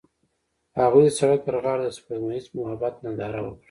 هغوی د سړک پر غاړه د سپوږمیز محبت ننداره وکړه.